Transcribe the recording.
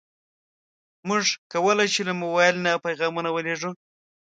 موږ کولی شو له موبایل نه پیغامونه ولېږو.